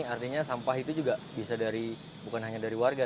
artinya sampah itu juga bisa dari bukan hanya dari warga